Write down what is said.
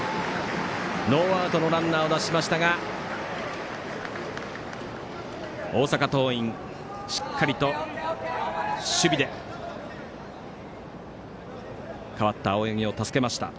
ノーアウトのランナー出しましたが大阪桐蔭、しっかりと守備で代わった青柳を助けました。